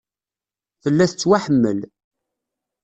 Tella tettwaḥemmel.